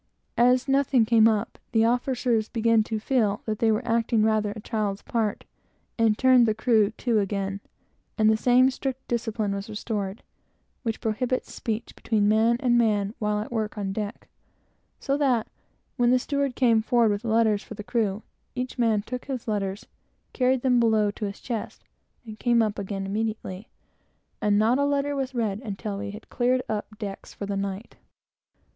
As nothing came up, the officers began to feel that they were acting rather a child's part, and turned the crew to again and the same strict discipline was restored, which prohibits speech between man and man, while at work on deck; so that, when the steward came forward with letters for the crew, each man took his letters, carried them below to his chest, and came up again immediately; and not a letter was read until we had cleared up decks for the night.